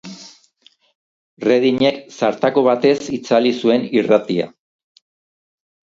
Redinek zartako batez itzali zuen irratia.